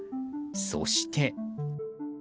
そして。